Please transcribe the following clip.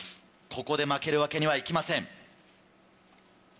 ここで負けるわけにはいきません。